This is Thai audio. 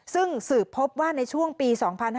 ซึ่งสืบพบว่าในช่วงปี๒๕๕๙